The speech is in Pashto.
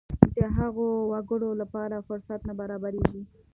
د هغو وګړو لپاره فرصت نه برابرېږي.